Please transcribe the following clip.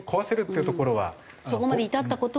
そこまで至った事は。